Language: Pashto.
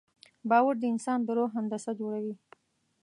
باور د انسان د روح هندسه جوړوي.